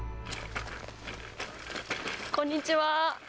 こんにちは。